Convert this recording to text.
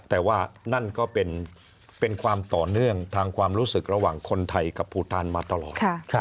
แต่ว่านั่นก็เป็นความต่อเนื่องทางความรู้สึกระหว่างคนไทยกับภูทานมาตลอด